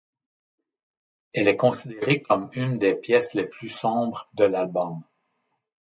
Elle est considérée comme une des pièces les plus sombres de l'album.